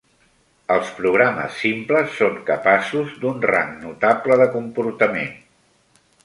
Els programes simples són capaços d'un rang notable de comportament.